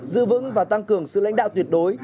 giữ vững và tăng cường sự lãnh đạo tuyệt đối